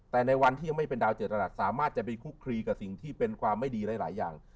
แต่ในวันที่ยังไม่เป็นดาวเจตรัสสามารถจะไปคุกคลีกับสิ่งที่เป็นความไม่ดีหลายอย่าง